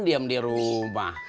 diam di rumah